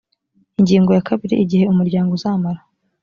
ingingo ya kabiri igihe umuryango uzamara